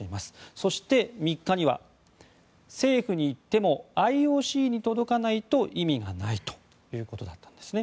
そして３日には政府に言ってもＩＯＣに届かないと意味がないということだったんですね。